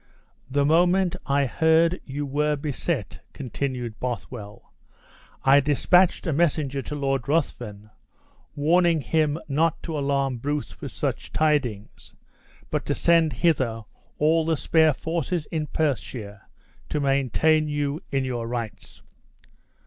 "The moment I heard how you were beset," continued Bothwell, "I dispatched a messenger to Lord Ruthven, warning him not to alarm Bruce with such tidings, but to send hither all the spare forces in Perthshire, to maintain you in your rights."